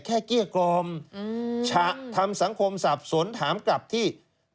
เกลี้ยกล่อมฉะทำสังคมสับสนถามกลับที่